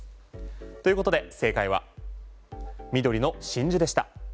ということで正解は緑の真珠でした。